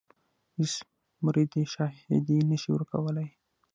هیڅ مرید یې شاهدي نه شي ورکولای.